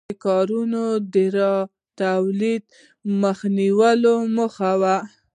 د کارګرانو د راټولېدو مخنیوی یې موخه و.